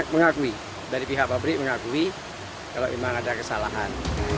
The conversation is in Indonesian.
mengakui dari pihak pabrik mengakui kalau memang ada kesalahan